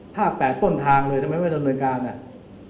ภาคแปดต้นทางเลยทำไมไม่ได้โดยโนยการเนี่ย